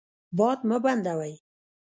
باد مه بندوئ.